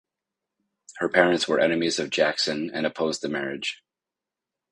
Her parents were enemies of Jackson and opposed the marriage.